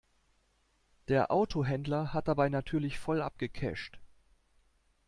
Der Autohändler hat dabei natürlich voll abgecasht.